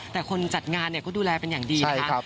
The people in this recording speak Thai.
แต่คนจัดงานเนี่ยก็ดูแลเป็นอย่างดีนะคะ